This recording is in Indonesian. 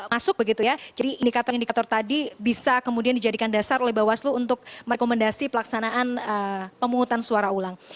masuk begitu ya jadi indikator indikator tadi bisa kemudian dijadikan dasar oleh bawaslu untuk merekomendasi pelaksanaan pemungutan suara ulang